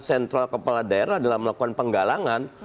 sentral kepala daerah dalam melakukan penggalangan